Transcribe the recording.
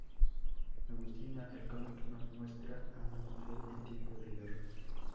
Agustina, el cómic, nos muestra a una mujer en tiempo de guerra.